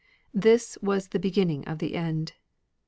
This was the beginning of the end.